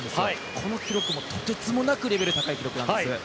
この記録もとてつもないレベルが高い記録なんです。